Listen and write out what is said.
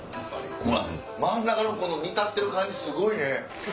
真ん中の煮立ってる感じすごいね。